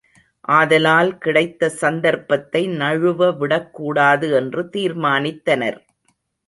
ஆதலால் கிடைத்த சந்தர்ப்பத்தை நழுவ விடக்கூடாது என்று தீர்மானித்தனர்.